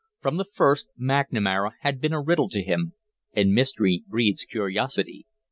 From the first McNamara had been a riddle to him, and mystery breeds curiosity.